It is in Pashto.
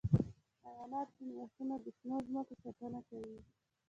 حیوانات ځینې وختونه د شنو ځمکو ساتنه کوي.